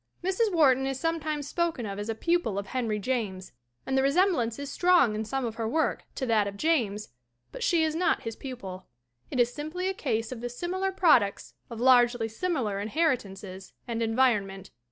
Mrs. Wharton is sometimes spoken of as a pupil of Henry James, and the resemblance is strong in some of her work to that of James, but she is not his pupil. It is simply a case of the similar products of largely similar inheritances and environment.